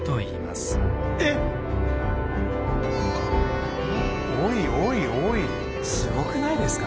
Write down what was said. すごくないですか。